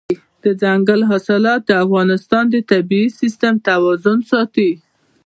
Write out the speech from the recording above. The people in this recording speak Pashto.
دځنګل حاصلات د افغانستان د طبعي سیسټم توازن ساتي.